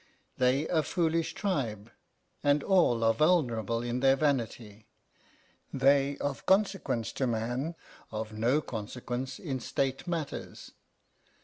They a foolish tribe, and all are vulnerable in their vanity. They of consequence to man, of no consequence in state matters.